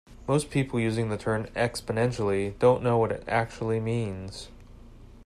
Most people using the term "exponentially" don't know what it actually means.